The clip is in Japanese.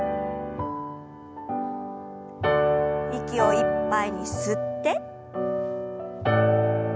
息をいっぱいに吸って。